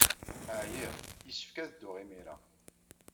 Ɛyiɣ. Yessefk ad dduɣ imir-a.